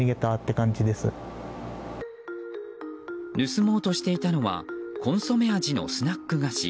盗もうとしていたのはコンソメ味のスナック菓子。